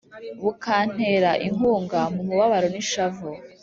bukantera inkunga mu mubabaro n’ishavu.